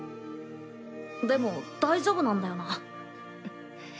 でも大丈夫なんだよな？